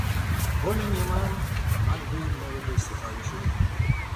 پل نیومن مرد مورد ستایش او بود.